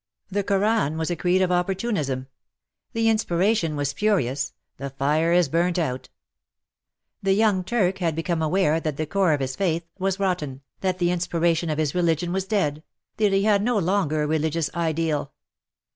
The Koran was a creed of oppor tunism. The inspiration was spurious — the fire Is burnt out. The young Turk had become aware that the core of his faith was rotten, that the inspiration of his religion was dead, that he had no longer WAR AND WOMEN 173 a religious Ideal.